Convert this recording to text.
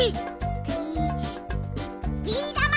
ビビーだま！